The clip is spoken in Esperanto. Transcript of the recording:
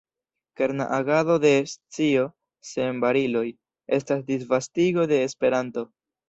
Kerna agado de “Scio Sen Bariloj” estas disvastigo de Esperanto.